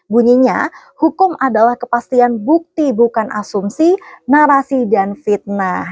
bunyinya hukum adalah kepastian bukti bukan asumsi narasi dan fitnah